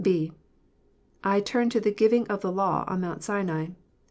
* (b) I turn to the giving of the Law on Mount Sinai.